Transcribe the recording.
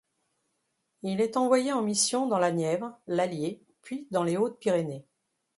Il est envoyé en mission dans la Nièvre, l'Allier, puis dans les Hautes-Pyrénées.